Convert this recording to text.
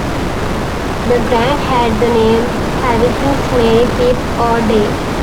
The grant had the name "Hawkins Merry-Peep-o-Day".